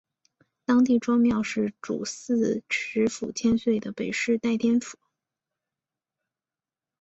当地庄庙是主祀池府千岁的北势代天府。